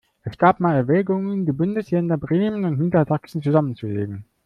Es gab mal Erwägungen, die Bundesländer Bremen und Niedersachsen zusammenzulegen.